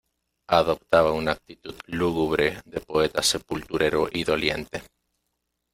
adoptaba una actitud lúgubre de poeta sepulturero y doliente.